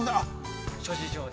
諸事情で。